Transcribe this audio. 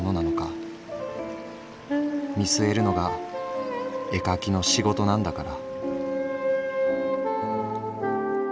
見据えるのが絵描きの仕事なんだから」。